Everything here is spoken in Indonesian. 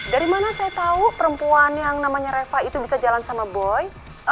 dari mana saya tahu perempuan yang namanya reva itu bisa jalan sama boy